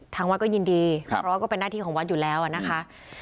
ทางวัดก็ยินดีเพราะว่าก็เป็นหน้าที่ของวัดอยู่แล้วนะคะ